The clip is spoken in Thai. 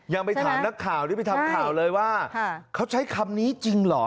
ยังไปถามนักข่าวที่ไปทำข่าวเลยว่าเขาใช้คำนี้จริงเหรอ